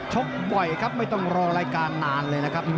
บ่อยครับไม่ต้องรอรายการนานเลยนะครับ